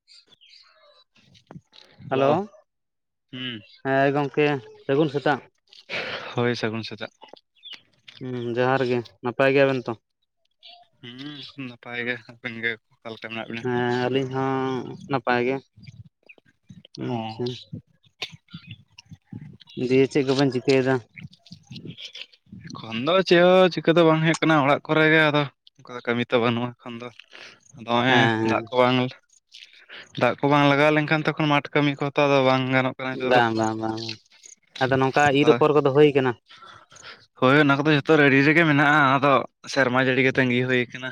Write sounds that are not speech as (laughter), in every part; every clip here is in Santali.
(inaudible) ᱦᱮᱞᱳ, ᱦᱩᱸ ᱦᱮᱸ ᱜᱚᱢᱠᱮ ᱥᱟᱹᱜᱩᱱ ᱥᱮᱛᱟᱜ᱾ ᱦᱳᱭ, ᱥᱟᱹᱜᱩᱱ ᱥᱮᱛᱟᱜ᱾ ᱦᱩᱸ ᱡᱚᱦᱟᱨ ᱜᱮ, ᱱᱟᱯᱟᱭ ᱜᱮᱭᱟᱵᱮᱱ ᱛᱚ? ᱦᱩᱸ ᱮᱠᱷᱚᱱ ᱱᱟᱯᱟᱭ ᱜᱮ᱾ ᱟᱵᱤᱱ ᱜᱮ ᱚᱠᱟ ᱞᱮᱠᱟ ᱢᱮᱱᱟᱜ ᱵᱤ? ᱦᱮᱸ ᱟᱹᱞᱤᱧ ᱦᱚᱸ ᱱᱟᱯᱟᱭ ᱜᱮ, ᱚ ᱟᱪᱪᱷᱟ ᱫᱤᱭᱮ ᱪᱮᱫ ᱠᱚᱵᱮᱱ ᱪᱤᱠᱟᱹᱭ ᱫᱟ? (inaudible) ᱮᱠᱷᱚᱱ ᱫᱚ ᱪᱮᱫ ᱦᱚᱸ ᱪᱤᱠᱟᱹ ᱫᱚ ᱵᱟᱝ ᱦᱩᱭᱩᱜ ᱠᱟᱱᱟ ᱚᱲᱟᱜ ᱠᱚᱨᱮ ᱜᱮ ᱟᱫᱚ ᱚᱱᱠᱟᱫᱚ ᱠᱟᱹᱢᱤ ᱛᱚ ᱵᱟᱹᱱᱩᱜᱼᱟ᱾ ᱮᱠᱷᱮᱱ ᱫᱚ ᱫᱚᱢᱮ ᱦᱮᱸ ᱦᱮᱸ ᱫᱟᱜ ᱠᱚ ᱵᱟᱝ ᱫᱟᱜ ᱠᱚ ᱵᱟᱝ ᱞᱟᱜᱟᱣ ᱞᱮᱱᱠᱷᱟᱱ ᱛᱚᱠᱷᱚᱱ ᱢᱟᱴᱷ ᱠᱟᱹᱢᱤ ᱠᱚᱦᱚᱸ ᱛᱚ ᱟᱫᱚ ᱵᱟᱝ ᱜᱟᱱᱚᱜ ᱠᱟᱱᱟ ᱱᱤᱛᱚᱜ ᱫᱚ ᱵᱟᱝ ᱵᱟᱝ ᱵᱟᱝ, ᱟᱫᱚ ᱱᱚᱝᱠᱟ ᱤᱨ ᱟᱫᱚ ᱚᱯᱚᱨ ᱠᱚᱫᱚ ᱦᱩᱭᱟᱠᱟᱱᱟ? (inaudible) ᱦᱳᱭ ᱚᱱᱟ ᱠᱚᱫᱚ ᱡᱷᱚᱛᱚ ᱟᱮᱰᱤ ᱨᱮᱜᱮ ᱢᱮᱱᱟᱜᱼᱟ, ᱟᱫᱚ ᱥᱮᱨᱢᱟ ᱡᱟᱹᱲᱤᱜᱮ ᱛᱟᱹᱜᱤ ᱦᱩᱭ ᱟᱠᱟᱱᱟ᱾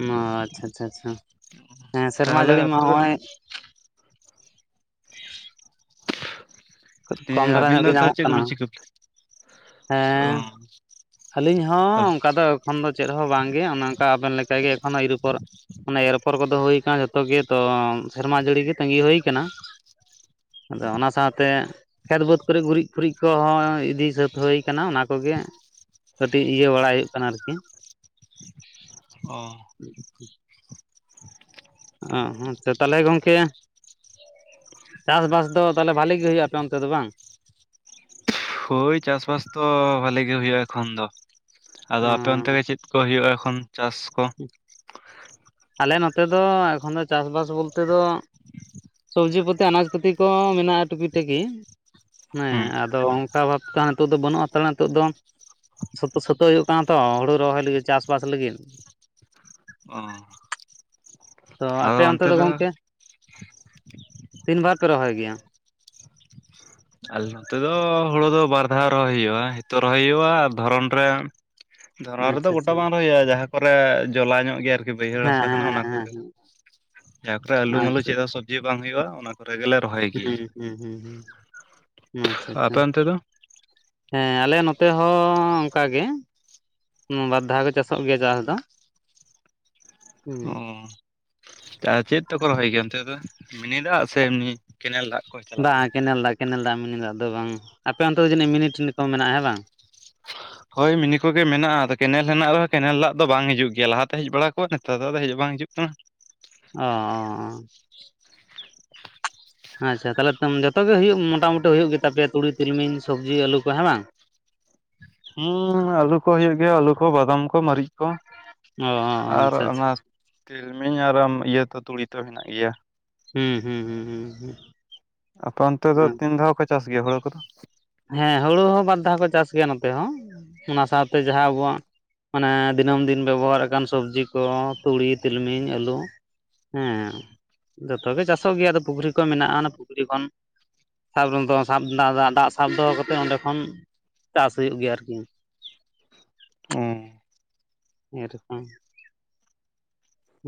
ᱚ ᱟᱪᱪᱷᱟ ᱟᱪᱪᱷᱟ ᱟᱪᱪᱷᱟ ᱦᱮᱸ ᱥᱮᱨᱢᱟ ᱛᱟᱦᱚᱞᱮ ᱡᱟᱹᱲᱤ ᱟᱯᱮ ᱢᱟ ᱫᱚ ᱱᱚᱜᱼᱚᱭ ᱛᱮᱸ ᱠᱚᱢ ᱫᱷᱟᱨᱟ ᱟᱹᱵᱤᱱ ᱧᱚᱜ ᱫᱚ ᱜᱮ ᱛᱟᱦᱚᱞᱮ ᱧᱟᱢᱚᱜ ᱪᱮᱫ ᱠᱟᱱᱟ ᱠᱚᱵᱤᱱ ᱪᱤᱠᱟᱹ (inaudible) ᱚ ᱦᱮᱸ ᱟᱹᱞᱤᱧ ᱦᱚᱸ ᱚᱱᱠᱟ ᱫᱚ ᱮᱠᱷᱚᱱ ᱫᱚ ᱪᱮᱫ ᱦᱚᱸ ᱵᱟᱝᱜᱮ ᱚᱱᱮ ᱚᱱᱠᱟ ᱟᱵᱮᱱ ᱞᱮᱠᱟᱜᱮ ᱮᱠᱷᱚᱱ ᱤᱨ ᱩᱯᱚᱨ ᱚᱱᱮ ᱮᱨ ᱚᱯᱚᱨ ᱠᱚᱫᱚ ᱦᱩᱭ ᱟᱠᱟᱱᱟ ᱡᱷᱚᱛᱚ ᱜᱮ ᱛᱚ ᱥᱮᱨᱢᱟ ᱡᱟᱹᱲᱤ ᱜᱮ ᱛᱟᱹᱜᱤ ᱦᱩᱭ ᱟᱠᱟᱱᱟ᱾ ᱟᱫᱚ ᱚᱱᱟ ᱥᱟᱶᱛᱮ ᱠᱷᱮᱛ ᱵᱟᱹᱫᱽ ᱠᱚᱨᱮ ᱜᱩᱨᱤᱡ ᱯᱷᱩᱨᱤᱡ ᱠᱚ ᱦᱚᱸ ᱤᱫᱤ ᱥᱟᱹᱛ ᱦᱩᱭ ᱠᱟᱱᱟ ᱚᱱᱟ ᱠᱚᱜᱮ ᱠᱟᱹᱴᱤᱡ ᱤᱭᱟᱹ ᱵᱟᱲᱟᱭ ᱦᱩᱭᱩᱜ ᱠᱟᱱᱟ ᱟᱨ ᱠᱤ᱾ ᱚ ᱚ ᱦᱚᱸ ᱛᱚ ᱛᱟᱦᱞᱮ ᱜᱚᱝᱠᱮ ᱪᱟᱥ ᱵᱟᱥ ᱫᱚ ᱛᱟᱦᱚᱞᱮ ᱵᱷᱟᱞᱤ ᱜᱮ ᱦᱩᱭᱩᱜᱼᱟ ᱟᱯᱮ ᱚᱱᱛᱮ ᱫᱚ ᱵᱟᱝ᱾ ᱦᱳᱭ ᱪᱟᱥ ᱵᱟᱥ ᱛᱚ ᱵᱷᱟᱞᱮ ᱜᱮ ᱦᱩᱭᱩᱜᱼᱟ ᱮᱠᱷᱚᱱ ᱫᱚ ᱟᱫᱚ ᱟᱯᱮ ᱚᱱᱛᱮ ᱜᱮ ᱪᱮᱫ ᱠᱚ ᱦᱳᱭᱳᱜᱼᱟ ᱮᱠᱷᱚᱱ ᱪᱟᱥ ᱠᱚ ᱟᱞᱮ ᱱᱚᱛᱮ ᱫᱚ ᱮᱠᱷᱚᱱ ᱫᱚ ᱪᱟᱥ ᱵᱟᱥ ᱵᱳᱞᱛᱮ ᱫᱚ ᱥᱚᱵᱽᱡᱤ ᱯᱟᱹᱛᱤ ᱟᱱᱟᱡᱽ ᱯᱟᱹᱛᱤ ᱠᱚ ᱢᱮᱱᱟᱜᱼᱟ ᱴᱩᱠᱤ ᱴᱟᱠᱤ ᱦᱮᱸ ᱦᱩᱸ ᱟᱫᱚ ᱠᱟ ᱵᱷᱟᱵ ᱛᱚ ᱦᱟᱸᱜ ᱱᱤᱛᱚᱜ ᱫᱚ ᱵᱟᱹᱱᱩᱜ ᱦᱟᱸᱛᱟᱲᱟ ᱱᱤᱛᱚᱜ ᱫᱚ ᱥᱟᱯᱩ ᱥᱟᱹᱛᱳᱜ ᱦᱩᱭᱩᱜ ᱠᱟᱱᱟ ᱛᱚ ᱦᱩᱲᱩ ᱨᱚᱦᱚᱭ ᱞᱟᱹᱜᱤᱫ ᱪᱟᱥ ᱵᱟᱥ ᱞᱟᱹᱜᱤᱫ ᱚ ᱛᱚ ᱟᱯᱮ ᱚᱱᱛᱮ ᱫᱚ ᱜᱚᱝᱠᱮ ᱛᱤᱱ ᱵᱟᱨ ᱯᱮ ᱨᱚᱦᱚᱭ ᱜᱮᱭᱟ ᱟᱞᱮ ᱱᱚᱛᱮ ᱫᱚ ᱦᱳᱲᱳ ᱫᱚ ᱵᱟᱨ ᱫᱷᱟᱣ ᱨᱚᱦᱚᱭ ᱦᱩᱭᱩᱜᱼᱟ ᱦᱤᱛᱚᱜ ᱨᱚᱦᱚᱭ ᱦᱩᱭᱩᱜᱼᱟ ᱟᱨ ᱫᱷᱚᱨᱚᱱ ᱨᱮ᱾ ᱫᱷᱚᱨᱚᱱ ᱟᱪᱪᱷᱟ ᱨᱮᱫᱚ ᱜᱚᱴᱟ ᱟᱪᱪᱷᱟ ᱵᱟᱝ ᱨᱚᱦᱚᱭ ᱦᱩᱭᱩᱜᱼᱟ ᱡᱟᱦᱟᱸ ᱠᱚᱨᱮ ᱡᱚᱞᱟ ᱧᱚᱸᱜ ᱜᱮᱭᱟ ᱟᱨ ᱠᱤ ᱵᱟᱹᱭᱦᱟᱹᱲ ᱦᱮᱸ ᱦᱟᱥᱟ ᱠᱟᱱᱟ ᱦᱮᱸ ᱚᱱᱟ ᱦᱮᱸ ᱠᱚᱜᱮ ᱦᱮᱸ ᱡᱟᱦᱟᱸ ᱠᱚᱨᱮ ᱟᱹᱞᱩ ᱢᱟᱹᱞᱩ ᱟᱪᱪᱷᱟ ᱪᱮᱫ ᱦᱚᱸ ᱥᱚᱵᱽᱡᱤ ᱵᱟᱝ ᱦᱩᱭᱩᱜᱼᱟ ᱚᱱᱟ ᱠᱚᱨᱮ ᱜᱮᱞᱮ ᱨᱚᱦᱚᱭ ᱜᱮᱭᱟ ᱦᱩᱸ ᱦᱩᱸ ᱦᱩᱸ ᱦᱩᱸ ᱟᱪᱪᱷᱟ ᱟᱪᱪᱷᱟ᱾ ᱟᱯᱮ ᱚᱱᱛᱮ ᱫᱚ ᱦᱮᱸ ᱟᱞᱮ ᱱᱚᱛᱮ ᱦᱚᱸ ᱚᱱᱠᱟ ᱜᱮ᱾ ᱵᱟᱨ ᱫᱷᱟ ᱠᱚ ᱪᱟᱥᱚᱜ ᱜᱮᱭᱟ ᱪᱟᱥ ᱫᱚ ᱦᱩᱸ ᱚ ᱪᱮᱫ ᱛᱮᱠᱚ ᱨᱚᱦᱚᱭ ᱜᱮᱭᱟ ᱚᱱᱛᱮ ᱫᱚ ᱢᱤᱱᱤ ᱫᱟᱜ ᱥᱮ ᱮᱢᱱᱤ ᱠᱮᱱᱮᱞ ᱫᱟᱜ᱾ ᱠᱚ ᱪᱟᱞᱟᱜ ᱜᱮᱭᱟ ᱵᱟᱸ ᱠᱮᱱᱮᱞ ᱫᱟᱜ ᱠᱮᱱᱮᱞ ᱫᱟᱜ ᱢᱤᱱᱤ ᱫᱟᱜ ᱫᱚ ᱵᱟᱝ ᱟᱯᱮ ᱚᱱᱛᱮ ᱫᱚ ᱡᱟᱹᱱᱤᱡ ᱢᱤᱱᱤ-ᱴᱤᱱᱤ ᱠᱚ ᱢᱮᱱᱟᱜᱼᱟ ᱦᱮᱸ ᱵᱟᱝ᱾ (inaudible) ᱦᱳᱭ ᱢᱤᱱᱤ ᱠᱚᱜᱮ ᱢᱮᱱᱟᱜ-ᱟ ᱟᱫᱚ ᱠᱮᱱᱮᱞ ᱢᱮᱱᱟᱜ ᱨᱮᱦᱚᱸ ᱠᱮᱱᱮᱞ ᱫᱟᱜ ᱫᱚ ᱵᱟᱝ ᱦᱤᱡᱩᱜ ᱜᱮᱭᱟ ᱞᱟᱦᱟ ᱛᱮ ᱦᱮᱡ ᱵᱟᱲᱟ ᱠᱚᱜᱼᱟ ᱱᱮᱛᱟᱨ ᱫᱚ ᱟᱫᱚ ᱦᱮᱡ ᱦᱚᱸ ᱵᱟᱝ ᱦᱤᱡᱩᱜ ᱠᱟᱱᱟ᱾ ᱚ ᱟᱪᱪᱷᱟ ᱛᱟᱦᱚᱞᱮ ᱡᱚᱛᱚ ᱜᱮ ᱦᱩᱭᱩᱜ ᱢᱚᱴᱟᱢᱩᱴᱤ ᱦᱩᱭᱩᱜ ᱜᱮᱛᱟ ᱯᱮᱭᱟ ᱛᱩᱲᱤ ᱛᱤᱞᱢᱤᱧ ᱥᱚᱵᱽᱡᱤ ᱟᱹᱞᱩ ᱠᱚ ᱦᱮᱸ ᱵᱟᱝ ᱦᱩᱸ ᱟ. ᱞᱩ ᱠᱚ ᱦᱩᱭᱩᱜ ᱜᱮᱭᱟ ᱟᱹᱞᱩ ᱠᱚ ᱵᱟᱫᱟᱢ ᱠᱚ ᱢᱟᱹᱨᱤᱪ ᱠᱚ ᱚ ᱟᱨ ᱟᱪᱪᱷᱟ ᱟᱪᱪᱷᱟ ᱚᱱᱟ ᱛᱤᱞᱢᱤᱧ ᱟᱨ ᱟᱢ ᱤᱭᱟᱹ ᱛᱚ ᱛᱩᱲᱤ ᱛᱚ ᱦᱮᱱᱟᱜ ᱜᱮᱭᱟ᱾ ᱦᱩᱸ ᱦᱩᱸ ᱦᱩᱸ ᱦᱩᱸ ᱦᱩᱸ ᱟᱯᱮ ᱚᱱᱛᱮ ᱫᱚ ᱛᱤᱱ ᱫᱷᱟᱣ ᱠᱚ ᱪᱟᱥ ᱜᱮᱭᱟ ᱦᱳᱲᱳ ᱠᱚ ᱫᱚ ᱦᱮᱸ ᱦᱩᱲᱩ ᱦᱚᱸ ᱵᱟᱨ ᱫᱷᱟᱣ ᱠᱚ ᱪᱟᱥ ᱜᱮᱭᱟ ᱱᱚᱛᱮ ᱦᱚᱸ ᱚᱱᱟ ᱥᱟᱶᱛᱮ ᱡᱟᱦᱟᱸ ᱟᱵᱚᱣᱟᱜ ᱢᱟᱱᱮ ᱫᱤᱱᱟᱹᱢ ᱫᱤᱱ ᱵᱮᱵᱚᱦᱟᱨ ᱟᱠᱟᱱ ᱥᱚᱵᱡᱤ ᱠᱚ ᱛᱩᱲᱤ ᱛᱤᱞᱢᱤᱧ ᱟᱹᱞᱩ, ᱦᱮᱸ ᱡᱚᱛᱚᱜᱮ ᱪᱟᱥᱚᱜ ᱜᱮᱭᱟ ᱟᱫᱚ ᱯᱩᱠᱷᱨᱤ ᱠᱚ ᱢᱮᱱᱟᱜᱼᱟ, ᱚᱱᱟ ᱯᱩᱠᱷᱨᱤ ᱠᱷᱚᱱ ᱥᱟᱵ ᱥᱟᱵ ᱫᱟᱵ ᱫᱟᱜ ᱥᱟᱵ ᱫᱚᱦᱚ ᱠᱟᱛᱮᱫ ᱚᱸᱰᱮ ᱠᱷᱚᱱ ᱪᱟᱥ ᱦᱩᱭᱩᱜ ᱜᱮᱭᱟ ᱟᱨᱠᱤ᱾ ᱦᱩᱸᱻ (inaudible)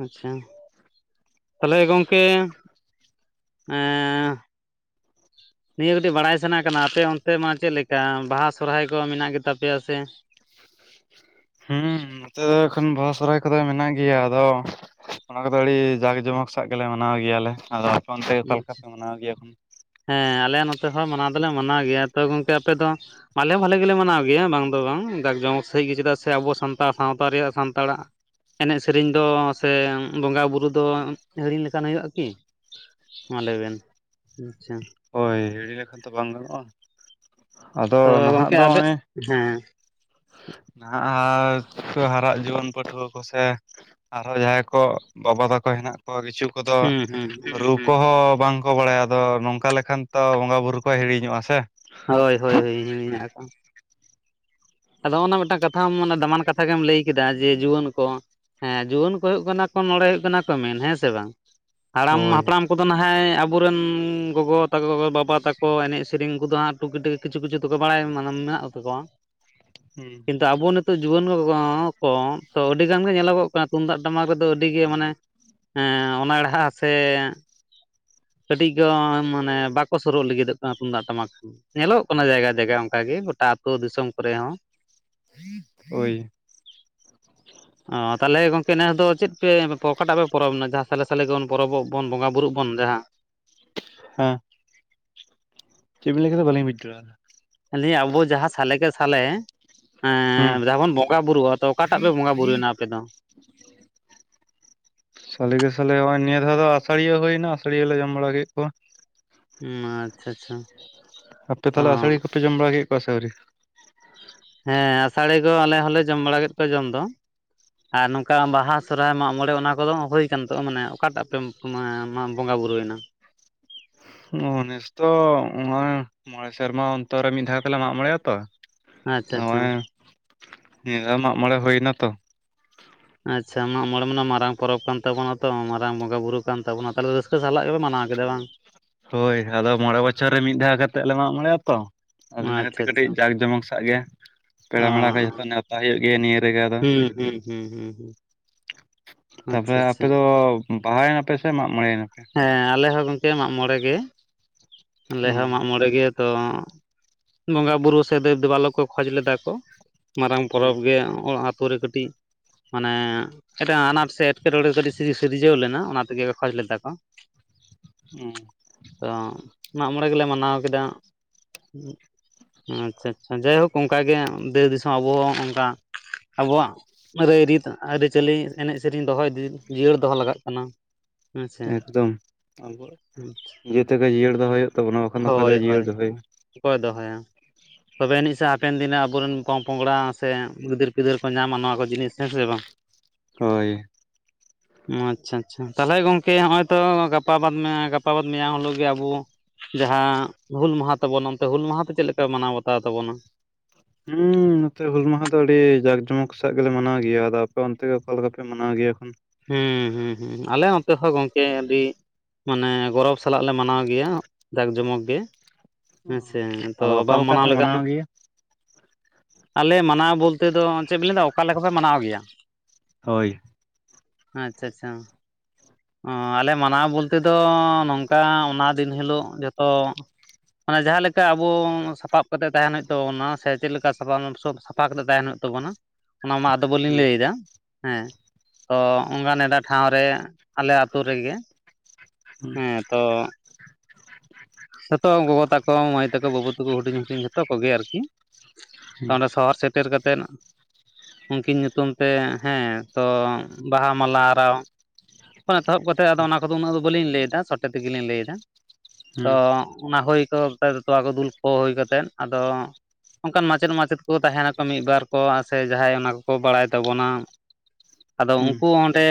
ᱟᱪᱪᱷᱟ, ᱛᱟᱦᱚᱞᱮ ᱜᱚᱝᱠᱮ (unintelligible) ᱱᱤᱭᱟᱹ ᱠᱟᱹᱴᱤᱡ ᱵᱟᱲᱟᱭ ᱥᱟᱱᱟ ᱠᱟᱱᱟ ᱟᱯᱮ ᱚᱱᱛᱮ ᱢᱟ ᱪᱮᱫ ᱞᱮᱠᱟ ᱵᱟᱦᱟ ᱥᱚᱦᱚᱨᱟᱭ ᱠᱚ ᱢᱮᱱᱟᱜ ᱜᱮᱛᱟ ᱯᱮᱭᱟ ᱥᱮ ᱦᱩᱸ ᱱᱚᱛᱮ ᱫᱚ ᱮᱠᱷᱚᱱ ᱵᱟᱦᱟ ᱥᱚᱦᱚᱨᱟᱭ ᱠᱚᱫᱚ ᱢᱮᱱᱟᱜ ᱜᱮᱭᱟ᱾ ᱟᱫᱚ ᱚᱱᱟ ᱠᱚᱫᱚ ᱟᱹᱰᱤ ᱡᱟᱸᱠ ᱡᱚᱢᱚᱠ ᱥᱟᱜ ᱜᱮᱞᱮ ᱢᱟᱱᱟᱣ ᱜᱮᱭᱟᱞᱮ ᱟᱫᱚ ᱟᱯᱮ ᱚᱱᱛᱮ ᱚᱠᱟ ᱞᱮᱠᱟ ᱯᱮ ᱢᱟᱱᱟᱣ ᱜᱮᱭᱟ᱾ ᱦᱮ ᱟᱞᱮ ᱱᱚᱛᱮ ᱦᱚᱸ ᱢᱟᱱᱟᱣ ᱫᱚᱞᱮ ᱢᱟᱱᱟᱣ ᱜᱮᱭᱟ ᱛᱚ ᱜᱚᱝᱠᱮ ᱟᱯᱮ ᱫᱚ ᱟᱞᱮ ᱵᱷᱟᱞᱮ ᱜᱮᱞᱮ ᱢᱟᱱᱟᱣ ᱜᱮᱭᱟ ᱵᱟᱝ ᱫᱚ ᱵᱟᱝ ᱫᱟᱠ ᱡᱚᱢᱚᱠ ᱥᱟᱹᱦᱤᱡ ᱜᱮ ᱪᱮᱫᱟᱜ ᱥᱮ ᱟᱵᱚᱣᱟᱜ ᱥᱟᱱᱛᱟᱲ ᱥᱟᱶᱛᱟ ᱨᱮᱭᱟᱜ ᱥᱟᱱᱛᱟᱲᱟᱜ, ᱮᱱᱮᱡ ᱥᱮᱨᱮᱧ ᱫᱚ ᱥᱮ ᱵᱚᱸᱜᱟ ᱵᱩᱨᱩ ᱫᱚ ᱦᱤᱲᱤᱧ ᱞᱮᱠᱟᱱ ᱦᱩᱭᱩᱜᱼᱟ ᱠᱤ᱾ ᱢᱟ ᱞᱟᱹᱭ ᱵᱮᱱ, ᱟᱸᱪᱪᱷᱟ᱾ ᱦᱳᱭ ᱦᱤᱲᱤ ᱞᱮᱠᱷᱟᱱ ᱛᱚ ᱵᱟᱝ ᱜᱟᱱᱚᱜᱼᱟ, ᱟᱫᱚ ᱛᱚ ᱱᱟᱦᱟᱜ ᱜᱚᱢᱠᱮ ᱫᱚ ᱟᱵᱮ ᱱᱚᱜᱼᱚᱭ ᱦᱮᱸ ᱱᱟᱦᱟᱜ ᱦᱟᱨᱟᱜ ᱡᱩᱣᱟᱹᱱ ᱯᱟᱹᱴᱷᱩᱣᱟᱹ ᱠᱚᱥᱮ ᱟᱨᱦᱚ ᱡᱟᱦᱟᱸᱭ ᱠᱚ ᱵᱟᱵᱟ ᱛᱟᱠᱚ ᱦᱮᱱᱟᱜ ᱠᱚᱣᱟ ᱠᱤᱪᱷᱩ ᱠᱚᱫᱚ ᱦᱩᱸ ᱦᱩᱸ ᱨᱩᱯ, ᱠᱚᱦᱚᱸ ᱵᱟᱝᱠᱚ ᱵᱟᱲᱟᱭᱟ ᱟᱫᱚ ᱱᱚᱝᱠᱟ ᱞᱮᱠᱷᱟᱱ ᱛᱚ ᱵᱚᱸᱜᱟ ᱵᱩᱨᱩ ᱠᱚ ᱦᱤᱲᱤᱧᱚᱜᱼᱟ ᱥᱮ, ᱦᱳᱭ ᱦᱳᱭ ᱦᱳᱭ ᱤᱧᱤᱧ (unintelligible) ᱟᱫᱚ ᱱᱚᱜ-ᱱᱟ ᱢᱤᱫᱴᱟᱝ ᱠᱟᱛᱷᱟᱢ ᱢᱟᱱᱮ ᱫᱟᱢᱟᱱ ᱠᱟᱛᱷᱟ ᱜᱮᱢ ᱞᱟᱹᱭ ᱠᱮᱫᱟ ᱡᱮ ᱡᱩᱣᱟᱹᱱ ᱠᱚ ᱦᱮᱸ ᱡᱩᱣᱟᱹᱱ ᱠᱚ ᱦᱩᱭᱩᱜ ᱠᱟᱱᱟ ᱠᱚ ᱱᱚᱰᱮ ᱦᱩᱭᱩᱜ ᱠᱟᱱᱟ ᱠᱚ ᱢᱮᱱ ᱦᱮᱸ ᱥᱮ ᱵᱟᱝ ᱦᱟᱲᱟᱢ ᱦᱳᱭ ᱦᱟᱯᱲᱟᱢ ᱠᱚᱫᱚ ᱱᱟᱦᱟᱜ ᱡᱟᱦᱟᱸᱭ ᱟᱵᱚᱨᱮᱱ ᱜᱚᱜᱚ ᱛᱟᱠᱚ ᱵᱟᱵᱟ ᱛᱟᱠᱚ ᱮᱱᱮᱡ ᱥᱮᱨᱮᱧ ᱠᱚᱫᱚ ᱦᱟᱸᱜ ᱴᱩᱠᱤᱴᱤᱠ ᱠᱤᱪᱷᱩ ᱠᱤᱪᱷᱩ ᱫᱚᱠᱚ ᱵᱟᱲᱟᱭᱟ ᱢᱟᱱᱮ ᱢᱮᱱᱟᱜ ᱛᱟᱠᱚᱣᱟ ᱦᱩᱸ ᱟᱫᱚ ᱟᱵᱚ ᱱᱤᱛᱚᱜ ᱡᱩᱣᱟᱹᱱ ᱠᱚ ᱠᱚ ᱛᱚ ᱟᱹᱰᱤ ᱜᱟᱱ ᱜᱮ ᱧᱮᱞᱚᱜᱚᱜ ᱠᱟᱱᱟ ᱛᱩᱢᱫᱟᱜ ᱴᱟᱢᱟᱠ ᱨᱮᱫᱚ ᱟᱹᱰᱤᱜᱮ ᱢᱟᱱᱮ ᱦᱮᱸ ᱚᱱᱬᱦᱟ ᱥᱮ (unintelligible) ᱠᱟᱹᱴᱤᱡ ᱜᱚ ᱢᱟᱱᱮ ᱵᱟᱠᱚ ᱥᱩᱨᱩᱜ ᱞᱟᱹᱜᱤᱫᱚᱜ ᱠᱟᱱᱟ ᱛᱩᱢᱟᱜ ᱴᱟᱢᱟᱠ ᱧᱮᱞᱚᱜ ᱠᱟᱱᱟ ᱡᱟᱭᱜᱟ ᱡᱟᱭᱜᱟ ᱚᱱᱠᱟ ᱜᱮ ᱜᱚᱴᱟ ᱟᱹᱛᱩ ᱫᱤᱥᱚᱢ ᱠᱚᱨᱮ ᱦᱚᱸ ᱳᱭ (unintelligible) ᱚ ᱛᱟᱞᱦᱮ ᱜᱚᱝᱠᱮ ᱱᱮᱥ ᱫᱚ ᱪᱮᱫ ᱯᱮ ᱯᱨᱚ ᱚᱠᱟᱴᱟᱜ ᱯᱮ ᱯᱚᱨᱚᱵᱽ ᱮᱱᱟ ᱡᱟᱦᱟᱸ ᱥᱟᱞᱮ ᱥᱟᱞᱮ ᱜᱮᱵᱚᱱ ᱯᱚᱨᱚᱵᱚᱜ ᱵᱚᱱ ᱵᱚᱸᱜᱟ ᱵᱩᱨᱩᱜ ᱵᱚᱱ ᱡᱟᱦᱟᱸ? ᱦᱮᱸ ᱪᱮᱫ ᱵᱤᱱ ᱞᱟᱹᱭ ᱠᱮᱫᱟ ᱵᱟᱞᱤᱧ ᱵᱩᱡ ᱫᱟᱲᱮᱭᱟᱫᱟ, ᱞᱟᱹᱭᱟ ᱟᱵᱚ ᱡᱟᱦᱟᱸ ᱥᱟᱞᱮ ᱠᱮ ᱥᱟᱞᱮ ᱦᱩᱸ ᱮᱸᱻ ᱡᱟᱦᱟᱸ ᱵᱚᱱ ᱵᱚᱜᱟ ᱵᱚᱸᱜᱟ ᱵᱩᱨᱩ ᱟᱫᱚ ᱚᱠᱟᱴᱟᱜ ᱯᱮ ᱵᱚᱸᱜᱟ ᱵᱩᱨᱩᱭᱱᱟ ᱟᱯᱮ ᱫᱚ, ᱥᱟᱞᱮ ᱜᱮᱥᱟᱞᱮ ᱱᱚᱜᱼᱚᱭ ᱱᱤᱭᱟᱹ ᱫᱷᱟᱣ ᱫᱚ ᱟᱥᱟᱲᱤᱭᱟᱹ ᱦᱩᱭᱮᱱᱟ ᱟᱥᱟᱲᱤᱭᱟᱹ ᱞᱮ ᱡᱚᱢ ᱵᱟᱲᱟ ᱠᱮᱫ ᱠᱚᱣᱟ ᱾ ᱮᱸ ᱟᱪᱪᱷᱟ ᱟᱪᱪᱷᱟ ᱾ ᱟᱯᱮ ᱛᱟᱦᱚᱞᱮ ᱟᱥᱟᱹᱲᱤᱭᱟ ᱠᱚᱯᱮ ᱡᱚᱢ ᱵᱟᱲᱟ ᱠᱮᱫ ᱠᱚᱣᱟ ᱥᱮ ᱟᱹᱣᱨᱤ, ᱦᱮᱸ ᱟᱥᱟᱹᱲᱤ ᱫᱚ ᱟᱞᱮ ᱦᱚᱸᱞᱮ ᱡᱚᱢ ᱵᱟᱲᱟ ᱠᱮᱫ ᱠᱚᱣᱟ ᱡᱚᱢ ᱫᱚ, ᱟᱨ ᱱᱚᱝᱠᱟ ᱵᱟᱦᱟ ᱥᱚᱨᱦᱟᱭ ᱢᱟᱜ ᱢᱚᱬᱮ ᱚᱱᱟ ᱠᱚᱫᱚ ᱦᱩᱭ ᱟᱠᱟᱱ ᱛᱚ ᱢᱟᱱᱮ ᱚᱠᱟᱴᱟᱜ ᱯᱮ, ᱢᱟ ᱢᱟᱢ ᱵᱚᱸᱜᱟ ᱵᱩᱨᱩᱭᱮᱱᱟ, ᱱᱮᱥ ᱛᱚ ᱱᱚᱜ-ᱚᱭ ᱢᱚᱬᱮ ᱥᱮᱨᱢᱟ ᱚᱱᱛᱚᱨ ᱨᱮ ᱢᱤᱫ ᱫᱷᱟᱣ ᱛᱮᱞᱮ ᱢᱟᱜ ᱢᱚᱬᱮᱜ-ᱟ ᱛᱚ, ᱟᱪᱪᱷᱟ ᱟᱪᱪᱷᱟ ᱱᱚᱜᱚᱭ ᱱᱤᱭᱟᱹ ᱫᱷᱟᱣ ᱢᱟᱜ ᱢᱚᱬᱮ ᱦᱩᱭ ᱮᱱᱟᱛᱚ ᱟᱪᱪᱷᱟ ᱢᱟᱜ ᱢᱚᱬᱮ ᱢᱟ ᱢᱟᱨᱟᱝ ᱯᱚᱨᱚᱵᱽ ᱠᱟᱱ ᱛᱟᱵᱚᱱᱟ ᱛᱚ ᱢᱟᱨᱟᱝ ᱵᱚᱸᱜᱟ ᱵᱩᱨᱩ ᱠᱟᱱ ᱛᱟᱵᱚᱱᱟ ᱛᱟᱦᱚᱞᱮ ᱨᱟᱹᱥᱠᱟᱹ ᱥᱟᱞᱟᱜ ᱜᱮᱯᱮ ᱢᱟᱱᱟᱣ ᱠᱮᱫᱟ ᱵᱟᱝ ᱦᱳᱭ ᱟᱫᱚ, ᱢᱚᱬᱮ ᱵᱚᱪᱷᱚᱨ ᱨᱮ ᱢᱤᱫ ᱫᱷᱟᱣ ᱠᱟᱛᱮᱫ ᱞᱮ ᱢᱟᱜ ᱢᱚᱬᱮᱭᱟ ᱛᱚ ᱾ ᱟᱫᱚ ᱤᱱᱟᱹ ᱛᱮ ᱟᱪᱪᱷᱟ ᱠᱟᱹᱴᱤᱡ ᱟᱪᱪᱷᱟ ᱡᱟᱸᱠ ᱡᱚᱢᱚᱠ ᱥᱟᱜ ᱜᱮ, ᱯᱮᱲᱟ ᱚ ᱢᱮᱲᱟ ᱠᱚ ᱡᱷᱚᱛᱚ ᱱᱮᱣᱛᱟ ᱦᱩᱭᱩᱜ ᱜᱮᱭᱟ ᱱᱤᱭᱟᱹ ᱨᱮᱜᱮ ᱟᱫᱚ ᱦᱩᱸ ᱦᱩᱸ ᱦᱩᱸ ᱦᱩᱸ ᱦᱩᱸ ᱟᱪᱪᱷᱟ ᱛᱟᱯᱚᱨᱮ ᱟᱯᱮ ᱟᱪᱪᱷᱟ ᱫᱚ ᱵᱟᱦᱟᱭᱮᱱᱟᱯᱮ ᱥᱮ ᱢᱟᱜ ᱢᱚᱬᱮᱭᱮᱱᱟᱯᱮ? ᱦᱮᱸ ᱟᱞᱮ ᱦᱚᱸ ᱜᱚᱝᱠᱮ ᱢᱟᱜ ᱢᱚᱬᱮ ᱜᱮ ᱟᱞᱮ ᱚ ᱦᱚᱸ ᱢᱟᱜ ᱢᱚᱬᱮ ᱜᱮ᱾ ᱛᱚ ᱵᱚᱸᱜᱟ ᱵᱩᱨᱩ ᱥᱮ ᱫᱮᱵ ᱫᱮᱵᱟᱞᱳᱠ ᱠᱚ ᱠᱷᱚᱡ ᱞᱮᱫᱟ ᱠᱚ᱾ ᱢᱟᱨᱟᱝ ᱦᱩᱸ ᱯᱚᱨᱚᱵᱽ ᱜᱮ ᱚᱲ ᱟᱛᱳ ᱨᱮ ᱠᱟᱹᱴᱤᱡ ᱢᱟᱱᱮ ᱮᱴᱟᱜ ᱟᱱᱟᱴ ᱥᱮ᱾ ᱮᱴᱠᱮᱴᱚᱬᱮ ᱠᱟᱹᱴᱤᱡ ᱥᱤᱨᱤ ᱥᱤᱨᱡᱟᱹᱣ ᱞᱮᱱᱟ ᱚᱱᱟ ᱛᱮ ᱜᱮ ᱠᱷᱚᱡ ᱞᱮᱫᱟ ᱠᱚ᱾ ᱚᱸ ᱛᱚ ᱢᱟᱜ ᱢᱚᱬᱮ ᱜᱮ ᱞᱮ ᱢᱟᱱᱟᱣ ᱠᱮᱫᱟ᱾ ᱟᱪᱪᱷᱟ ᱟᱪᱪᱷᱟ ᱡᱟᱭᱦᱳᱠ ᱚᱱ ᱠᱟᱜᱮ ᱫᱮᱥ ᱫᱤᱥᱚᱢ ᱟᱵᱚ ᱦᱚᱸ ᱚᱝᱠᱟ᱾ ᱟᱵᱚᱣᱟᱜ ᱨᱟᱹᱭ-ᱨᱤᱛ ᱟᱹᱨᱤᱪᱟᱹᱞᱤ ᱮᱱᱮᱡ ᱥᱮᱨᱤᱧ ᱫᱚ ᱦᱚ ᱤᱫᱤ ᱡᱤᱭᱟᱹᱲ ᱫᱚ ᱦᱚ ᱞᱟᱜᱟᱜ ᱠᱟᱱᱟ᱾ ᱦᱮᱸᱥᱮ ᱮᱠ ᱫᱚᱢ ᱱᱤᱡᱮ ᱛᱮ ᱜᱮ ᱡᱤᱭᱟᱹᱲ ᱫᱚᱦᱚᱭ ᱦᱩᱭᱩᱜ ᱛᱟᱵᱚᱱᱟ ᱵᱟᱠᱷᱟᱱ ᱫᱚ ᱚᱠᱚᱭ ᱦᱳᱭ ᱫᱚᱭ ᱦᱳᱭ ᱡᱤᱭᱟᱹᱲ ᱫᱚᱦᱚᱭᱟ᱾ ᱚᱠᱚᱭ ᱫᱚᱦᱚᱭᱟ᱾ ᱛᱚᱵᱮ ᱟᱢᱤᱡ ᱥᱮ ᱦᱟᱯᱮᱱ ᱫᱤᱱ ᱨᱮᱱ ᱟᱵᱚ ᱨᱮᱱ ᱯᱚᱼᱯᱚᱝᱲᱟ ᱥᱮ ᱜᱤᱫᱟᱹᱨ-ᱯᱤᱫᱟᱹᱨ ᱠᱚ ᱧᱟᱢ ᱱᱚᱣᱟ ᱠᱚ ᱡᱤᱱᱤᱥ ᱦᱮᱸ ᱥᱮ ᱵᱟᱝ᱾ (inaudible) ᱦᱳᱭ (inaudible) ᱚ ᱟᱪᱪᱷᱟ ᱟᱪᱪᱷᱟ ᱛᱟᱦᱞᱮ ᱜᱚᱝᱠᱮ ᱦᱚᱜ ᱚᱭ ᱛᱚ ᱜᱟᱯᱟ ᱵᱟᱫ ᱢᱮᱭᱟ ᱜᱟᱯᱟ ᱵᱟᱫ ᱢᱮᱭᱟᱝ ᱦᱤᱞᱳᱜ ᱜᱮ ᱟᱵᱩ ᱡᱟᱸᱦᱟᱸ ᱦᱩᱞ ᱡᱟᱦᱟᱸ ᱛᱟᱵᱚᱱ ᱚᱱᱛᱮ ᱦᱩᱞ ᱢᱟᱦᱟᱸ ᱛᱚ ᱪᱮᱫ ᱞᱮᱠᱟ ᱢᱟᱱᱟᱣ ᱵᱟᱛᱟᱣ ᱛᱟᱵᱚᱱᱟ᱾ ᱦᱩᱸ (unintelligible) ᱱᱚᱛᱮ ᱦᱩᱞ ᱢᱟᱦᱟ ᱫᱚ ᱟᱹᱰᱤ ᱡᱟᱠ ᱡᱚᱢᱚᱠ ᱥᱟᱜ ᱜᱮᱞᱮ ᱢᱟᱱᱟᱣ ᱜᱮᱭᱟ ᱟᱫᱚ ᱟᱯᱮ ᱚᱱᱛᱮ ᱫᱚ ᱚᱠᱟ ᱞᱮᱠᱟ ᱯᱮ ᱢᱟᱱᱟᱣ ᱜᱮᱭᱟ ᱮᱠᱷᱚᱱ᱾ ᱦᱩᱸ ᱦᱩᱸ ᱦᱩᱸ ᱟᱞᱮ ᱱᱚᱛᱮ ᱦᱚᱸ ᱜᱚᱝᱠᱮ ᱟᱹᱰᱤ᱾ ᱢᱟᱱᱮ ᱜᱚᱨᱚᱵᱽ ᱥᱟᱞᱟᱜ ᱞᱮ ᱢᱟᱱᱟᱣ ᱜᱮᱭᱟ ᱡᱟᱠ ᱡᱚᱢᱚᱠ ᱜᱮ᱾ ᱦᱮᱸ ᱥᱮ ᱛᱚ ᱟᱫᱚ ᱚᱠᱟ ᱵᱟᱢ ᱞᱮᱠᱟ ᱢᱟᱱᱟᱣ ᱯᱮ ᱞᱮᱠᱷᱟᱱ᱾ ᱜᱮᱭᱟ ᱟᱞᱮ ᱢᱟᱱᱟᱣ ᱵᱚᱞᱛᱮ ᱫᱚ ᱪᱮᱫ ᱵᱤᱱ ᱞᱟᱹᱭᱫᱟ ᱚᱠᱟᱮ ᱞᱮᱠᱟᱯᱮ ᱢᱟᱱᱟᱣ ᱜᱮᱭᱟ ᱦᱳᱭ ᱟᱪᱪᱷᱟ ᱟᱪᱪᱷᱟ ᱚ ᱟᱞᱮ ᱢᱟᱱᱟᱣ ᱵᱚᱞᱛᱮ ᱫᱚ ᱱᱚᱝᱠᱟ ᱚᱱᱟ ᱫᱤᱱ ᱦᱤᱞᱳᱜ ᱡᱚᱛᱚ ᱢᱟᱱᱮ ᱡᱟᱦᱟᱸ ᱞᱮᱠᱟ ᱟᱵᱚ ᱥᱟᱯᱟᱵ ᱠᱟᱛᱮᱜ ᱛᱟᱦᱮᱱ ᱦᱩᱭᱩᱜ ᱛᱟᱵᱚᱱᱟ ᱥᱮ ᱪᱮᱫ ᱞᱮᱠᱟ ᱥᱟ (unintelligible) (unintelligible) ᱠᱟᱛᱮ ᱛᱟᱦᱮᱱ ᱦᱩᱭᱩᱜ ᱛᱟᱵᱚᱱᱟ ᱚᱱᱟ ᱢᱟ ᱟ (unintelligible) ᱦᱩᱸ ᱞᱟᱹᱭ ᱮᱫᱟ ᱦᱮᱸ ᱛᱚ ᱚᱱᱠᱟ ᱱᱮᱰᱮ ᱴᱷᱟᱶ ᱨᱮ ᱟᱞᱮ ᱟᱛᱳ ᱨᱮᱜᱮ ᱦᱩᱸ ᱦᱮᱸ ᱛᱚ ᱥᱮᱛᱚᱜ ᱜ (unintelligible) ᱛᱚ ᱢᱟᱹᱭ ᱛᱟᱠᱚ ᱵᱟᱹᱵᱩ ᱛᱟᱠᱚ ᱦᱩᱰᱤᱧ ᱦᱩᱰᱤᱧ ᱡᱷᱚᱛᱚ ᱠᱚᱜᱮ ᱟᱨᱠᱤ ᱚᱸᱰᱮ ᱥᱚᱦᱚᱨ ᱥᱮᱴᱮᱨ ᱠᱟᱛᱮᱫ ᱩᱱᱠᱤᱱ ᱧᱩᱛᱩᱢ ᱛᱮ ᱦᱮᱸ ᱛᱚ ᱵᱟᱦᱟ ᱢᱟᱞᱟ ᱟᱨᱟᱣ ᱠᱷᱚᱱ ᱮᱛᱚᱦᱚᱵ ᱠᱟᱛᱮ ᱟᱫᱚ ᱚᱱᱟ ᱠᱚᱫᱚ ᱩᱱᱟᱹᱜ ᱫᱚ ᱵᱟᱹᱞᱤᱧ ᱞᱟᱹᱭᱫᱟ ᱥᱚᱴᱮ ᱛᱮᱜᱮᱞᱤᱧ ᱞᱟᱹᱭᱮᱫᱟ ᱦᱩᱸ ᱛᱚ ᱦᱩᱸ ᱚᱱᱟ ᱦᱩᱭ ᱠᱚ ᱠᱟ (unintelligible) ᱛᱚᱣᱟ ᱠᱚ ᱫᱩᱞ ᱠᱚ ᱦᱩᱭ ᱠᱟᱛᱮᱫ ᱟᱫᱚ ᱚᱱᱠᱟᱱ ᱢᱟᱪᱮᱫ ᱢᱟᱪᱮᱫ ᱠᱚ ᱛᱟᱦᱮᱱᱟᱠᱚ ᱢᱤᱫ ᱵᱟᱨ ᱠᱚ ᱥᱮ ᱡᱟᱦᱟᱸᱭ ᱚᱱᱟ ᱠᱚᱠᱚ ᱵᱟᱲᱟᱭ ᱛᱟᱵᱚᱱᱟ ᱟᱫᱚ ᱦᱩᱸ ᱩᱱᱠᱩ ᱛᱮ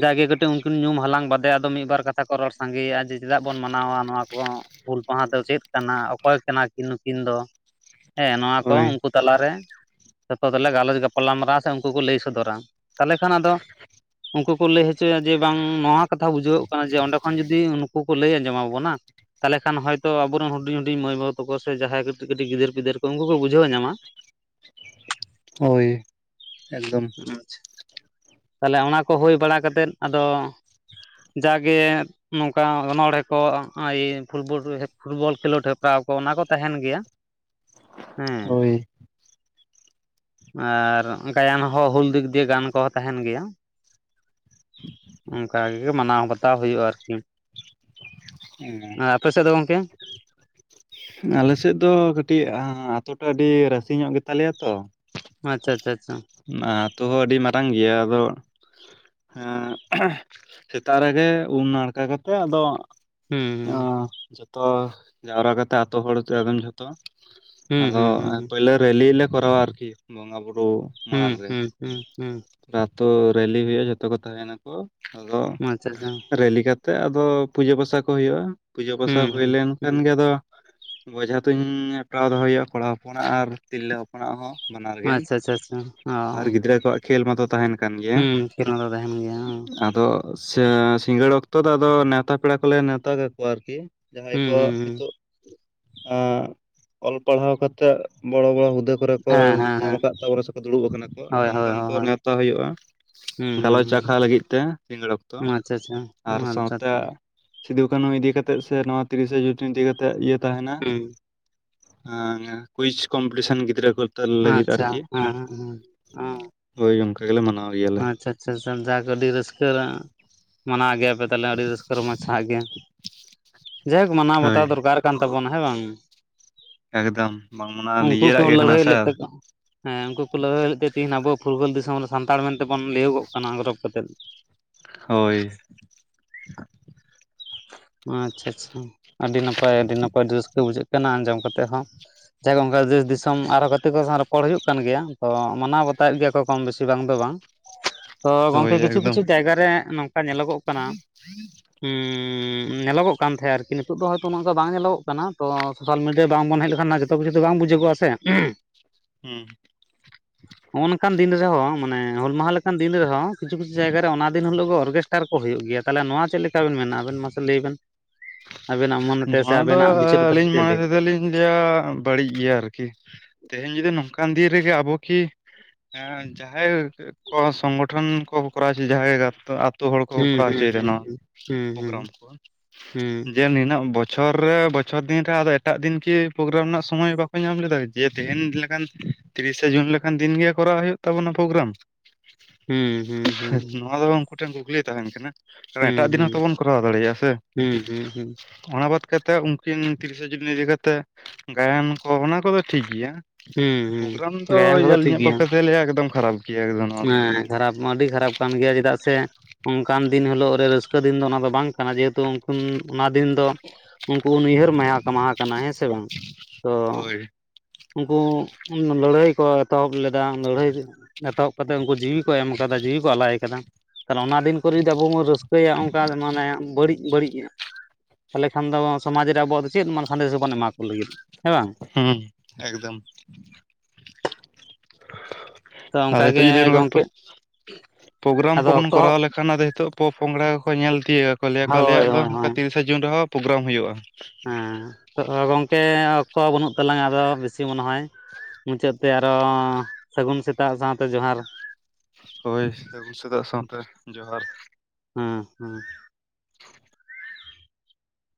ᱡᱟᱜᱮ ᱠᱟᱹᱴᱤᱡ ᱩᱱᱠᱤᱱ ᱧᱩᱢ ᱦᱟᱞᱟᱝ ᱵᱟᱫᱮ ᱟᱫᱚ ᱢᱤᱫ ᱵᱟᱨ ᱠᱟᱛᱷᱟ ᱠᱚ ᱨᱚᱲ ᱥᱟᱸᱜᱮᱼᱟ ᱪᱮᱫᱟᱜ ᱵᱚᱱ ᱢᱟᱱᱟᱣᱟ ᱱᱚᱣᱟ ᱠᱚ ᱦᱩᱞ ᱢᱟᱦᱟ ᱫᱚ ᱪᱮᱫ ᱠᱟᱱᱟ ᱚᱠᱚᱭ ᱠᱟᱱᱟ ᱠᱤᱱ ᱱᱩᱠᱤᱱ ᱫᱚ ᱦᱮᱸ ᱱᱚᱣᱟ ᱠᱚ ᱦᱳᱭ ᱩᱱᱠᱩ ᱛᱟᱞᱟᱨᱮ ᱡᱚᱛᱚ ᱛᱮᱞᱮ ᱜᱟᱞᱚᱪ ᱜᱟᱯᱟᱞᱞᱟ ᱢᱟᱨᱟᱣᱟ ᱥᱮ ᱩᱱᱠᱩ ᱠᱚ ᱞᱟᱹᱭ ᱥᱚᱫᱚᱨᱟ ᱛᱟᱦᱚᱞᱮ ᱠᱷᱟᱱ ᱟᱫᱚ ᱩᱱᱠᱩ ᱠᱚ ᱞᱟᱹᱭ ᱦᱚᱪᱚᱭᱟ ᱡᱮ ᱵᱟᱝ ᱱᱚᱣᱟ ᱦᱚ ᱠᱟᱛᱷᱟ ᱵᱩᱡᱷᱟᱹᱣᱟᱹᱜ ᱠᱟᱱᱟ ᱡᱮ ᱚᱸᱰᱮ ᱠᱷᱚᱱ ᱡᱩᱫᱤ ᱩᱱᱠᱩ ᱠᱚ ᱞᱟᱹᱭ ᱟᱸᱡᱚᱢᱟᱵᱚᱱᱟ ᱛᱟᱦᱚᱞᱮ ᱠᱷᱟᱱ ᱦᱚᱭᱛᱳ ᱟᱵᱚᱨᱮᱱ ᱦᱩᱰᱤᱧ ᱦᱩᱰᱤᱧ ᱢᱟᱹᱭ ᱵᱟᱹᱵᱩ ᱛᱟᱠᱚ ᱥᱮ ᱡᱟᱦᱟᱸᱭ ᱠᱟᱹᱴᱤᱡ ᱠᱟᱹᱴᱤᱡ ᱜᱤᱫᱟᱹᱨ ᱯᱤᱫᱟᱹᱨ ᱠᱚ ᱩᱱᱠᱩ ᱠᱚ ᱵᱩᱡᱷᱟᱹᱣ ᱧᱟᱢᱟ (inaudible) ᱦᱳᱭ ᱮᱠᱫᱚᱢ ᱟᱪᱪᱷᱟ ᱛᱟᱦᱚᱞᱮ ᱚᱱᱟ ᱠᱚ ᱦᱩᱭ ᱵᱟᱲᱟ ᱠᱟᱛᱮᱫ ᱟᱫᱚ ᱡᱟᱜᱮ ᱚᱱᱠᱟ ᱚᱱᱚᱲᱦᱮ ᱠᱚ (unintelligible) ᱯᱷᱩᱴᱵᱚᱞ ᱠᱷᱮᱞᱳᱰ ᱦᱮᱯᱨᱟᱣ ᱠᱚ ᱚᱱᱟ ᱠᱚ ᱛᱟᱦᱮᱱ ᱜᱮᱭᱟ ᱦᱮᱸ ᱦᱳᱭ ᱟᱨ ᱜᱟᱭᱟᱱ ᱦᱚᱸ ᱦᱩᱞ ᱫᱤᱠ ᱫᱤᱭᱮ ᱜᱟᱭᱟᱱ ᱠᱚᱦᱚᱸ ᱛᱟᱦᱮᱱ ᱜᱮᱭᱟ ᱚᱱᱠᱟᱜᱮ ᱢᱟᱱᱟᱣ ᱵᱟᱛᱟᱣ ᱦᱩᱭᱩᱜᱼᱟ ᱟᱨᱠᱤ ᱟᱨ ᱟᱯᱮ ᱥᱮᱫ ᱫᱚ ᱜᱚᱝᱠᱮ ᱟᱞᱮᱥᱮᱫ ᱫᱚ ᱠᱟᱹᱴᱤᱡ ᱟᱛᱩ ᱴᱟᱜ ᱟᱹᱰᱤ ᱨᱟᱥᱮ ᱧᱚᱜ ᱜᱮᱛᱟᱞᱮᱭᱟ ᱛᱚ ᱟᱪᱪᱷᱟ ᱟᱪᱪᱷᱟ ᱟᱪᱪᱷᱟ ᱚᱱᱟᱛᱚ ᱟᱹᱰᱤ ᱢᱟᱨᱟᱝ ᱜᱮᱭᱟ ᱟᱫᱚ ᱦᱮᱸ ᱥᱮᱛᱟᱜ ᱨᱮᱜᱮ ᱩᱢ ᱱᱟᱲᱠᱟ ᱠᱟᱛᱮᱜ ᱟᱫᱚ ᱦᱩᱸ ᱚ ᱡᱚᱛᱚ ᱡᱟᱣᱨᱟ ᱠᱟᱛᱮ ᱟᱛᱳ ᱦᱚᱲ ᱟᱫᱚᱢ ᱡᱚᱛᱚ ᱦᱩᱸ ᱟᱫᱚ ᱦᱩᱸ ᱦᱩᱸ ᱦᱩᱸ ᱯᱳᱭᱞᱳ ᱨᱮᱞᱤ ᱞᱮ ᱠᱚᱨᱟᱣᱟ ᱟᱨᱠᱤ ᱵᱚᱸᱜᱟ ᱵᱩᱨᱩ ᱦᱩᱸ ᱢᱟᱲᱟᱝ ᱨᱮ ᱦᱩᱸ ᱦᱩᱸ ᱦᱩᱸ ᱟᱛᱳ ᱨᱮᱞᱤ ᱦᱩᱭᱩᱜᱼᱟ ᱡᱷᱚᱛᱚ ᱠᱚ ᱛᱟᱦᱮᱱᱟᱠᱚ ᱟᱫᱚ ᱟᱪᱪᱷᱟ ᱟᱪᱪᱷᱟ ᱨᱮᱞᱤ ᱠᱟᱛᱮᱜ ᱟᱫᱚ ᱯᱩᱡᱟᱹ ᱯᱟᱥᱟ ᱠᱚ ᱦᱩᱭᱩᱜᱼᱟ ᱯᱩᱡᱟᱹ ᱯᱟᱥᱟ ᱦᱩᱸ ᱦᱩᱭ ᱦᱩᱸ ᱞᱮᱱᱠᱷᱟᱱ ᱦᱩᱸ ᱜᱮ ᱟᱫᱚ ᱵᱚᱡᱷᱟ ᱛᱮᱧ ᱦᱮᱯᱨᱟᱣ ᱫᱚ ᱦᱩᱭᱩᱜᱼᱟ ᱠᱚᱲᱟ ᱦᱚᱯᱚᱱᱟᱜ ᱟᱨ ᱛᱤᱨᱞᱟᱹ ᱦᱚᱯᱚᱱᱟᱜ ᱦᱚᱸ ᱵᱟᱱᱟᱨ ᱜᱮ ᱟᱪᱪᱷᱟ ᱟᱪᱪᱷᱟ (unintelligible) ᱟᱨ ᱜᱤᱫᱽᱨᱟᱹ ᱠᱚᱣᱟᱜ ᱠᱷᱮᱞ ᱢᱟᱛᱚ ᱛᱟᱦᱮᱱ ᱠᱟᱱ ᱜᱮᱭᱟ ᱦᱩᱸ ᱠᱷᱮᱞ ᱢᱟ ᱫᱚ ᱛᱟᱦᱮᱱ ᱜᱮᱭᱟ ᱦᱚᱸ ᱟᱫᱚ ᱟᱪᱪᱷᱟ ᱥᱤᱸᱜᱟᱹᱲ ᱚᱠᱛᱚ ᱫᱚ ᱟᱫᱚ ᱱᱮᱣᱛᱟ ᱯᱮᱲᱟ ᱠᱚᱞᱮ ᱱᱮᱣᱛᱟ ᱠᱟᱠᱚᱣᱟ ᱟᱨᱠᱤ ᱡᱟᱦᱟᱸᱭ ᱦᱩᱸ ᱠᱚ ᱦᱩᱸ ᱦᱩᱸ ᱦᱤᱛᱚ ᱟᱸ ᱚᱞ ᱯᱟᱲᱦᱟᱣ ᱠᱟᱛᱮᱜ ᱵᱚᱲᱚ ᱵᱚᱲᱚ ᱦᱩᱫᱟᱹ ᱠᱚᱨᱮ ᱠᱚ ᱦᱮᱸ ᱦᱮᱸ ᱧᱟᱢ ᱦᱮᱸ ᱟᱠᱟᱫ ᱛᱟᱵᱚᱱᱟ ᱥᱮ ᱫᱩᱲᱩᱵ ᱟᱠᱟᱱᱟ ᱠᱚ ᱟᱫᱚ ᱦᱳᱭ ᱦᱳᱭ ᱚᱱᱠᱟᱱ ᱠᱚ ᱦᱳᱭ ᱱᱮᱣᱛᱟ ᱦᱩᱭᱩᱜᱼᱟ ᱦᱩᱸ ᱦᱩᱸ ᱜᱟᱞᱚᱪ ᱦᱩᱸ ᱟᱠᱷᱟᱲᱟ ᱞᱟᱹᱜᱤᱫ ᱛᱮ ᱥᱤᱸᱜᱟᱹᱲ ᱚᱠᱛᱚ ᱟᱪᱪᱷᱟ ᱟᱪᱪᱷᱟ ᱟᱨ ᱚᱸ ᱟᱪᱪᱷᱟ ᱥᱟᱶᱛᱮ ᱟᱪᱪᱷᱟ ᱥᱤᱫᱩ ᱠᱟᱹᱱᱩ ᱤᱫᱤ ᱠᱟᱛᱮᱫ ᱥᱮ ᱱᱚᱣᱟ ᱛᱤᱨᱤᱥᱮ ᱡᱩᱱ ᱤᱫᱤ ᱠᱟᱛᱮᱫ ᱤᱭᱟᱹ ᱛᱟᱦᱮᱸᱱᱟ ᱦᱩᱸ ᱟᱸ ᱠᱩᱭᱤᱡ ᱠᱚᱢᱯᱤᱴᱤᱥᱚᱱ ᱜᱤᱫᱽᱨᱟᱹ ᱠᱚ ᱞᱟᱹᱜᱤᱫ ᱟᱪᱪᱷᱟ ᱟᱨᱠᱤ ᱦᱮᱸᱻ ᱦᱮᱸᱻ ᱦᱮᱸᱻ᱾ ᱦᱳᱭ ᱚᱱᱠᱟ ᱜᱮᱞᱮ ᱢᱟᱱᱟᱣᱟ᱾ ᱟᱪᱪᱷᱟ-ᱟᱪᱪᱷᱟ ᱡᱟᱠ ᱟᱹᱰᱤ ᱨᱟᱹᱥᱠᱟᱹ ᱨᱟ ᱢᱟᱱᱟᱣ ᱜᱮᱭᱟᱯᱮ ᱛᱟᱦᱚᱞᱮ ᱟᱹᱰᱤ ᱨᱟᱹᱥᱠᱟᱹ ᱨᱚᱢᱚᱡᱽ ᱥᱟᱟᱜ ᱜᱮ, ᱡᱟᱭᱦᱚᱠ ᱢᱟᱱᱟᱣ ᱵᱟᱛᱟᱣ ᱦᱳᱭ ᱫᱚᱨᱠᱟᱨ ᱠᱟᱱ ᱛᱟᱵᱚᱱᱟ ᱦᱮᱸ ᱵᱟᱝ᱾ ᱮᱠᱫᱚᱢ ᱵᱟᱝᱢᱟᱱᱟᱜᱼᱟ ᱩᱱᱠᱩ ᱱᱤᱡᱮᱨᱟ ᱠᱚ ᱜᱮ ᱠᱟᱱᱟ ᱞᱟᱹᱲᱦᱟᱹᱭ ᱥᱮ᱾ ᱞᱮᱫ ᱛᱟᱠᱚ ᱦᱮᱸ ᱩᱱᱠᱩ ᱠᱚ ᱞᱟᱹᱲᱦᱟᱹᱭ ᱞᱮᱫ ᱛᱮ ᱛᱮᱦᱮᱧ ᱟᱵᱚ ᱯᱷᱩᱨᱜᱚᱞ ᱫᱤᱥᱚᱢ ᱨᱮ ᱥᱟᱱ ᱥᱟᱱᱛᱟᱲ ᱢᱮᱱᱛᱮ ᱵᱚᱱ ᱞᱟᱹᱭᱟᱹᱜᱚᱜ ᱠᱟᱱᱟ ᱜᱚᱨᱚᱵ ᱠᱟᱛᱮᱫ᱾ ᱦᱳᱭ᱾ ᱟᱪᱪᱷᱟ-ᱟᱪᱪᱷᱟ᱾ ᱟᱹᱰᱤ ᱱᱟᱯᱟᱭ ᱟᱹᱰᱤ ᱱᱟᱯᱟᱭ ᱨᱟᱹᱥᱠᱟᱹ ᱵᱩᱡᱷᱟᱹᱜ ᱠᱟᱱᱟ ᱟᱸᱡᱚᱢ ᱠᱟᱛᱮᱫ ᱦᱚᱸ᱾ ᱦᱮ ᱜᱚᱝᱠᱮ ᱚᱱᱠᱟ ᱫᱮᱥ ᱫᱤᱥᱚᱢ ᱟᱨᱦᱚᱸ ᱜᱟᱛᱮ ᱠᱚ ᱥᱟᱶ ᱨᱚᱯᱚᱲ ᱦᱳᱭᱳᱜ ᱠᱟᱱ ᱜᱮᱭᱟ, ᱛᱚ ᱢᱟᱱᱟᱣ ᱵᱟᱛᱟᱣᱮᱫ ᱜᱮᱭᱟ ᱠᱚ ᱠᱚᱢ ᱵᱮᱥᱤ ᱵᱟᱝ ᱵᱟᱝ ᱫᱚ ᱵᱟᱝ, ᱛᱚ ᱦᱳᱭ ᱜᱚᱢᱠᱮ ᱠᱤᱪᱷᱩ ᱮᱠᱫᱚᱢ ᱠᱤᱪᱷᱩ ᱡᱟᱭᱜᱟ ᱨᱮ ᱱᱚᱝᱠᱟ ᱧᱮᱞᱚᱜᱚᱜ ᱠᱟᱱᱟ ᱦᱩᱸ ᱦᱩᱸ (unintelligible) ᱦᱩ ᱧᱮᱞᱚᱜ ᱠᱟᱱ ᱛᱟᱦᱮᱸᱫ ᱟᱨᱠᱤ, ᱱᱤᱛᱚᱜ ᱫᱚ ᱦᱳᱭᱛᱚ ᱱᱚᱝᱠᱟ ᱵᱟᱝ ᱧᱮᱞᱚᱜ ᱠᱟᱱᱟ, ᱛᱚ ᱥᱚᱥᱟᱞ ᱢᱤᱰᱤᱭᱟ ᱨᱮ ᱵᱟᱝᱵᱚᱱ ᱦᱮᱡ ᱞᱮᱠᱷᱟᱱ ᱡᱚᱛᱚ ᱡᱤᱱᱤᱥ ᱫᱚ ᱵᱟᱝ ᱵᱩᱡᱷᱟᱹᱜᱚᱜᱼᱟ᱾ (unintelligible) ᱦᱩᱸ᱾ ᱦᱚᱜᱼᱚ ᱱᱚᱝᱠᱟᱱ ᱫᱤᱱ ᱨᱮᱦᱚᱸ ᱢᱟᱱᱮ ᱦᱩᱞ ᱢᱟᱦᱟ ᱞᱮᱠᱟᱱ ᱫᱤᱱ ᱨᱮᱦᱚᱸ, ᱠᱤᱪᱷᱩ ᱠᱤᱪᱷᱩ ᱡᱟᱭᱜᱟ ᱨᱮ ᱚᱱᱟ ᱫᱤᱱ ᱦᱤᱞᱚᱜ ᱜᱮ ᱚᱨᱜᱮᱥᱴᱟᱨ ᱠᱚ ᱦᱳᱭᱳᱜ ᱜᱮᱭᱟ, ᱛᱟᱦᱚᱞᱮ ᱱᱚᱣᱟ ᱪᱮᱫᱞᱮᱠᱟᱱ ᱪᱮᱫ ᱞᱮᱠᱟ ᱵᱤᱱ ᱢᱮᱱᱟ ᱟᱵᱮᱱ ᱢᱟᱥᱮ ᱞᱟᱹᱭ ᱵᱮᱱ? ᱟᱵᱮᱱᱟᱜ ᱢᱚᱱᱮᱛᱮ ᱥᱮ ᱱᱚᱣᱟ ᱫᱚ ᱟᱵᱮᱱᱟᱜ ᱵᱤᱪᱟᱹᱨ ᱫᱷᱟᱨᱟ ᱟᱹᱞᱤᱧ ᱛᱮ ᱞᱟᱹᱭ ᱢᱚᱱᱮ ᱵᱮᱱ ᱛᱮᱫᱚ ᱞᱤᱧ ᱞᱟᱹᱭᱟ ᱵᱟᱹᱲᱤᱡ ᱜᱮᱭᱟ ᱟᱨᱠᱤ, ᱛᱮᱦᱮᱧ ᱡᱩᱫᱤ ᱱᱚᱝᱠᱟᱱ ᱫᱤᱱ ᱨᱮᱜᱮ ᱟᱵᱚ ᱠᱤ ᱦᱮᱸ ᱡᱟᱦᱟᱸᱭ ᱠᱚ ᱥᱚᱝᱜᱚᱴᱷᱚᱱ ᱠᱚ ᱠᱚᱨᱟᱣ ᱦᱚᱪᱚ ᱡᱟᱦᱟᱸᱭ ᱜᱟᱶᱛᱟ ᱡᱚᱛᱚ ᱦᱚᱲ ᱦᱩᱸ ᱦᱩᱸ ᱦᱩᱸ ᱦᱩᱸ ᱦᱩᱸ ᱦᱩᱸ ᱦᱩᱸ ᱦᱩᱸ ᱦᱩᱸ ᱦᱩᱸ ᱦᱩᱸ ᱦᱩᱸ ᱠᱚ ᱠᱚᱨᱟᱣ ᱦᱚᱪᱚᱭᱮᱫᱟ ᱱᱚᱣᱟ ᱯᱨᱳᱜᱨᱟᱢ ᱠᱚ ᱡᱮ ᱱᱤᱱᱟᱹᱜ ᱵᱚᱪᱷᱚᱨ ᱨᱮ ᱵᱚᱪᱷᱚᱨ ᱫᱤᱱ ᱨᱮ ᱟᱫᱚ ᱮᱴᱟᱜ ᱫᱤᱱ ᱠᱤ ᱯᱨᱳᱜᱨᱟᱢ ᱨᱮᱱᱟᱜ ᱥᱚᱢᱚᱭ ᱵᱟᱠᱚ ᱧᱟᱢ ᱞᱮᱫᱟ? ᱡᱮ ᱛᱮᱦᱮᱧ ᱞᱮᱠᱟᱱ ᱛᱤᱨᱤᱥᱮ ᱡᱩᱱ ᱞᱮᱠᱟᱱ ᱫᱤᱱᱜᱮ ᱠᱚᱨᱟᱣ ᱦᱳᱭᱳᱜ ᱛᱟᱵᱚᱱᱟ ᱯᱨᱳᱜᱨᱟᱢ? ᱱᱚᱣᱟ ᱫᱚ ᱩᱱᱠᱩᱴᱷᱮᱱ ᱠᱩᱠᱞᱤ ᱛᱟᱦᱮᱱ ᱠᱟᱱᱟ? ᱮᱴᱟᱜ ᱫᱤᱱ ᱦᱚᱸᱛᱚ ᱵᱚᱱ ᱠᱚᱨᱟᱣ ᱫᱟᱲᱮ ᱭᱟᱜᱼᱟ ᱥᱮ? ᱦᱩᱸᱻ ᱦᱩᱸᱻ ᱦᱩᱸᱻ᱾ ᱚᱱᱟ ᱵᱟᱫ ᱠᱟᱛᱮᱜ ᱩᱱᱠᱤᱱ ᱛᱤᱨᱤᱥᱟ ᱡᱩᱱ ᱤᱫᱤ ᱠᱟᱛᱮᱜ ᱜᱟᱭᱟᱱ ᱠᱚ ᱚᱱᱟ ᱠᱚᱫᱚ ᱴᱷᱤᱠ ᱜᱮᱭᱟ᱾ ᱦᱩᱸ ᱦᱩᱸ ᱯᱨᱳᱜᱨᱟᱢ ᱫᱚ ᱜᱟᱭᱟᱱ ᱠᱚᱫᱚ ᱴᱷᱤᱠ ᱟᱞᱤᱧᱟᱜ ᱜᱮᱭᱟ ᱯᱚᱠᱠᱷᱮ ᱛᱮ ᱞᱮᱭᱟ ᱮᱠᱫᱚᱢ ᱠᱷᱟᱨᱟᱯ᱾ ᱜᱮᱭᱟ ᱮᱠᱫᱚᱢ ᱱᱚᱣᱟ ᱫᱚ ᱦᱮᱸ ᱠᱷᱟᱨᱟᱯ ᱢᱟ ᱟᱹᱰᱤ ᱠᱷᱟᱨᱟᱯ ᱠᱟᱱ ᱜᱮᱭᱟ ᱪᱮᱫᱟᱜ ᱥᱮ ᱚᱱᱠᱟᱱ ᱫᱤᱱ ᱦᱤᱞᱳᱜ ᱨᱮ ᱨᱟᱹᱥᱠᱟᱹ ᱫᱤᱱ ᱫᱚ ᱚᱱᱟ ᱫᱚ ᱵᱟᱝ ᱠᱟᱱᱟ ᱡᱮᱦᱮᱛᱩ ᱩᱱ ᱚᱱᱟ ᱫᱤᱱ ᱫᱚ ᱩᱱᱠᱩ ᱩᱱᱭᱦᱟᱹᱨ ᱢᱟᱭᱟ ᱢᱟᱦᱟ ᱠᱟᱱᱟ ᱦᱮᱸ ᱥᱮ ᱵᱟᱝ ᱛᱚ ᱦᱳᱭ ᱩᱱᱠᱩ ᱩᱱ ᱞᱟᱹᱲᱦᱟᱹᱭ ᱠᱚ ᱮᱛᱚᱦᱚᱵ ᱞᱮᱫᱟ ᱞᱟᱹᱲᱦᱟᱹᱭ ᱮᱛᱚᱦᱚᱵ ᱠᱟᱛᱮ ᱩᱱᱠᱩ ᱡᱤᱣᱤ ᱠᱚ ᱮᱢ ᱠᱟᱫᱟ, ᱡᱤᱣᱤ ᱠᱚ ᱟᱞᱟᱭ ᱠᱟᱫᱟ ᱟᱨ ᱚᱱᱟ ᱫᱤᱱ ᱠᱚᱨᱮ ᱡᱩᱫᱤ ᱟᱵᱚ ᱵᱚᱱ ᱨᱟᱹᱥᱠᱟᱹ ᱠᱟᱹᱭᱟ ᱚᱱᱠᱟ ᱢᱟᱱᱮ ᱵᱟᱹᱲᱤᱡ-ᱵᱟᱹᱲᱤᱡ ᱛᱟᱦᱚᱞᱮ ᱠᱷᱟᱱ ᱫᱚ ᱥᱚᱢᱟᱡ ᱨᱮ ᱟᱵᱚᱣᱟᱜ ᱫᱚ ᱪᱮᱫ ᱥᱟᱸᱫᱮᱥᱵᱚᱱ ᱮᱢᱟ ᱠᱚ ᱞᱟᱹᱜᱤᱫ ᱦᱮᱸ ᱵᱟᱝ? ᱦᱩᱸ ᱮᱠᱫᱚᱢ᱾ ᱟᱫᱚ ᱦᱤᱛᱚ ᱡᱚ ᱫᱤᱱ ᱵᱟᱯ (unintelligible) ᱴᱷᱤᱠ (inaudible) ᱯᱨᱳᱜᱨᱟᱢ ᱠᱚᱵᱚᱱ ᱠᱚᱨᱟᱣ ᱞᱮᱠᱷᱟᱱ ᱟᱫᱚ ᱱᱤᱛᱚᱜ ᱯᱚᱼ ᱯᱚᱝᱲᱟ ᱠᱚ ᱧᱮᱞ ᱛᱤᱭᱳᱜᱟ, ᱠᱚ ᱞᱮ. ᱭᱟ ᱠᱚ ᱦᱳᱭ ᱟᱞᱮᱭᱟᱜ ᱫᱚ ᱦᱳᱭ ᱱᱚᱠᱟ ᱦᱳᱭ ᱛᱤᱨᱤᱥ ᱥᱮ ᱡᱩᱱ ᱨᱮᱦᱚᱸ ᱯᱨᱳᱜᱨᱟᱢ ᱦᱳᱭᱳᱜᱼᱟ᱾ ᱦᱮᱸ, ᱛᱚ ᱜᱚᱝᱠᱮ ᱚᱠᱛᱚ ᱵᱟᱹᱱᱩᱜ ᱛᱟᱞᱟᱝᱟ ᱟᱫᱚ ᱵᱮᱥᱤ ᱢᱚᱱᱮ ᱦᱚᱭ ᱢᱩᱪᱟᱹᱫ ᱛᱮ ᱟᱨᱚ ᱥᱟᱹᱜᱩᱱ ᱥᱮᱛᱟᱜ ᱥᱟᱶᱛᱮ ᱡᱚᱦᱟᱨ᱾ ᱦᱳᱭ ᱥᱟᱹᱜᱩᱱ ᱥᱮᱛᱟᱜ ᱥᱟᱶᱛᱮ ᱡᱚᱦᱟᱨ᱾ ᱦᱮᱸᱻ ᱦᱮᱸᱻ᱾ (inaudible)